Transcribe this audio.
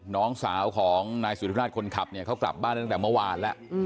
น้องสาวของนายสุธิราชคนขับเนี่ยเขากลับบ้านตั้งแต่เมื่อวานแล้ว